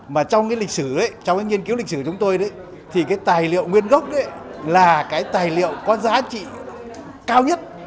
mà trong cái lịch sử trong cái nghiên cứu lịch sử chúng tôi thì cái tài liệu nguyên gốc là cái tài liệu có giá trị cao nhất